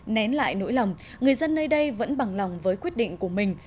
nén lại nỗi lòng người dân nơi đây vẫn bằng lòng với quyết định của mình